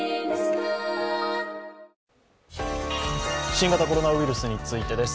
新型コロナウイルスについてです。